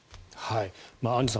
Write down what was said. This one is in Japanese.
アンジュさん